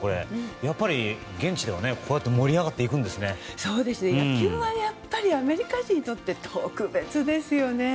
やっぱり現地ではやっぱり、野球はアメリカ人にとって特別ですよね。